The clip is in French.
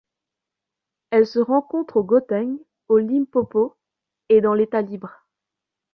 Elle se rencontre au Gauteng, au Limpopo et dans l'État-Libre.